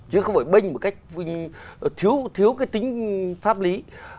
chứ không phải bênh một cách thiếu thiếu cái tính pháp lý